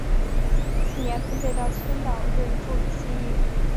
次年分配到青岛任助理司铎。